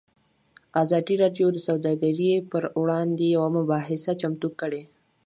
ازادي راډیو د سوداګري پر وړاندې یوه مباحثه چمتو کړې.